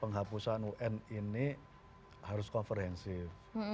penghapusan un ini harus komprehensif